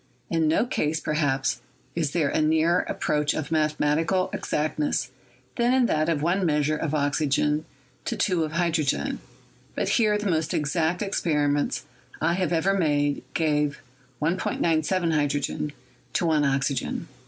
In no case, perhaps, is there a nearer approach to mathematical exactness than in that of one measure of oxygen to two of hydrogen; but here the most exact ex periments I have ever made gave 1.97 hydrogen to 1 oxy gen."